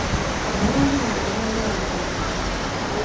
Abalonzi bange banneeyagaza.